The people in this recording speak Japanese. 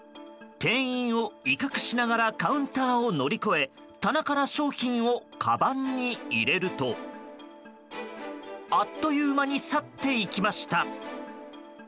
店員を威嚇しながらカウンターを乗り越え棚から商品をかばんに入れるとあっという間に去っていきました。